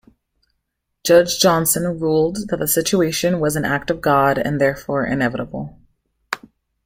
Judge Johnson ruled that the situation was an act of God, and therefore inevitable.